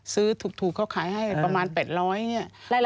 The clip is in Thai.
ซื้อถูกเขาขายให้ประมาณ๘๐๐เนี่ย